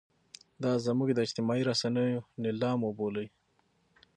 دا زموږ د اجتماعي رسنیو نیلام وبولئ.